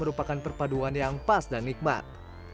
merupakan perpaduan yang pas dan nikmat